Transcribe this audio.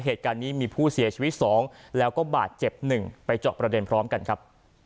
เหตุการณ์นี้มีผู้เสียชีวิต๒แล้วก็บาดเจ็บ๑ไปเจาะประเด็นพร้อมกันครับ